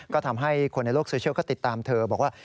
ก็ทำให้คนในโลกโซเชียลก็ติดตามเธอบอกว่า